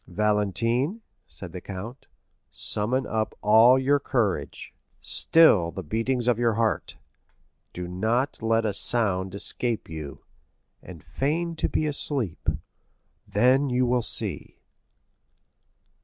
"Valentine," said the count, "summon up all your courage; still the beatings of your heart; do not let a sound escape you, and feign to be asleep; then you will see."